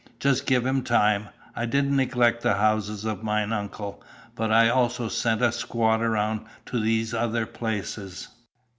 Just give him time. I didn't neglect the houses of mine uncle, but I also sent a squad around to these other places."